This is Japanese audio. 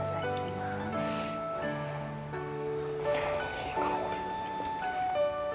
いい香り。